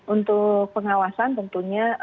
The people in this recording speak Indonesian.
untuk pengawasan tentunya